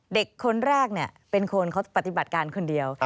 เด็กคนแรกเป็นคนเขาปฏิบัติการคนเดียว